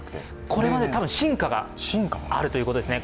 これは多分、進化があるということですね。